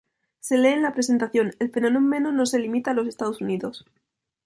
Se lee en la presentación: "El fenómeno no se limita a los Estados Unidos.